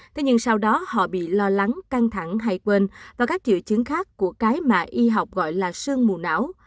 thế nhưng sau đó họ bị lo lắng căng thẳng hay quên và các triệu chứng khác của cái mạ y học gọi là sương mù não